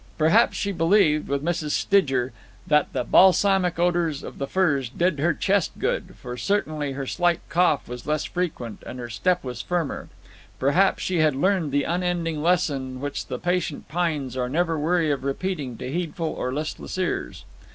Perhaps she believed, with Mrs. Stidger, that the balsamic odors of the firs "did her chest good," for certainly her slight cough was less frequent and her step was firmer; perhaps she had learned the unending lesson which the patient pines are never weary of repeating to heedful or listless ears.